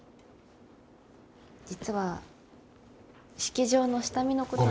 実は式場の下見のこと。